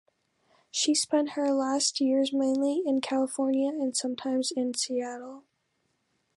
She spent her last years mainly in California, and sometimes in Seattle.